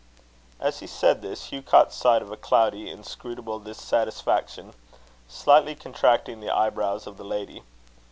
As he said this, Hugh caught sight of a cloudy, inscrutable dissatisfaction slightly contracting the eyebrows of the lady.